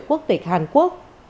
quốc tịch hàn quốc